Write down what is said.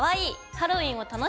「ハロウィーンを楽しもう！